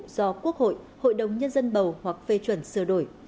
do quốc hội hội đồng nhân dân bầu hoặc phê chuẩn sơ đổi